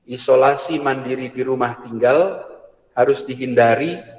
isolasi mandiri di rumah tinggal harus dihindari